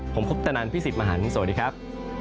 ผมคบตะนันพี่สิทธิ์มหาลังคมสวัสดีครับ